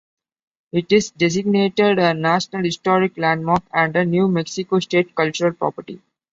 It is designated a National Historic Landmark and a New Mexico State Cultural Property.